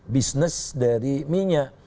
bisnis dari minyak